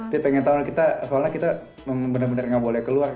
dia ingin tahu soalnya kita benar benar tidak boleh keluar